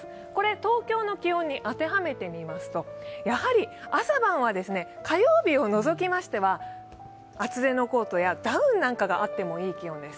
東京の気温に当てはめてみますと、朝晩は火曜日を除きましては厚手のコートやダウンなんかがあってもいい気温です。